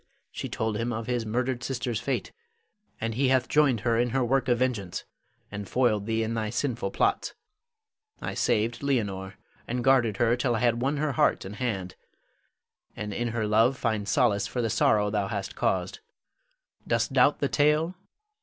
She told him of his murdered sister's fate, and he hath joined her in her work of vengeance, and foiled thee in thy sinful plots. I saved Leonore, and guarded her till I had won her heart and hand, and in her love find solace for the sorrow thou hast caused. Dost doubt the tale?